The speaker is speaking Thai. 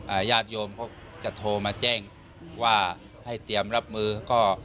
ญาติโยมเขาจะโทรมาแจ้งว่าให้เตรียมรับมือเขาก็